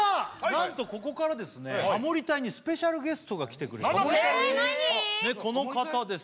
何とここからですねハモリ隊にスペシャルゲストが来てくれてるこの方です